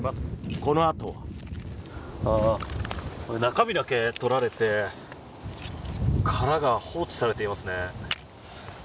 これ、中身だけ取られて殻が放置されていますね。